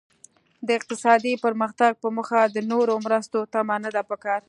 د اقتصادي پرمختګ په موخه د نورو مرستو تمه نده پکار.